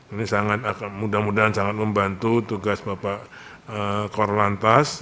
ini sangat mudah mudahan sangat membantu tugas bapak korlantas